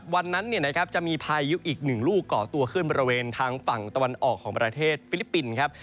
วันนั้นจะมีพายุอีกหนึ่งลูกก่อตัวขึ้นบริเวณทางฝั่งตะวันออกของประเทศฟิลิปปินส์ครับ